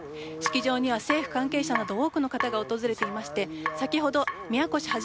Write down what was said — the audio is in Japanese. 式場には政府関係者など多くの方が訪れていまして先ほど宮越肇